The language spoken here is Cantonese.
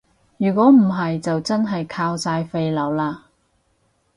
如果唔係就真係靠晒廢老喇